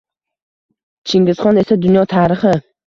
Chingizxon esa dunyo tarixi.